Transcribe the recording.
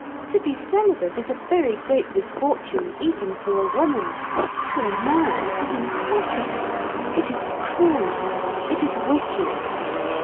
To be celibate is a very great misfortune even for a woman; for a man it is impossible, it is cruel, it is wicked.